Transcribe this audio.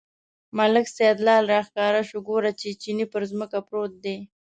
ملک سیدلال راښکاره شو، ګوري چې چیني پر ځمکه پروت دی.